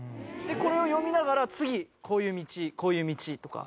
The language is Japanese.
これを読みながら次こういう道、こういう道とか。